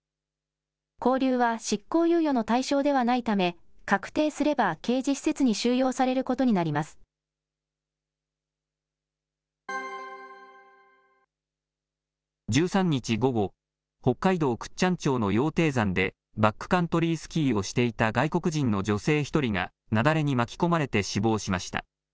拘留は執行猶予の対象ではないため、確定すれば刑事施設に収容さ１３日午後、北海道倶知安町の羊蹄山で、バックカントリースキーをしていた外国人の女性１人が、雪崩に巻き込まれて死亡しました。